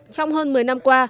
trong hơn một mươi năm qua